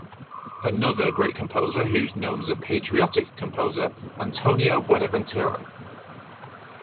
Another great composer who's known as patriotic composer, Antonio Buenaventura.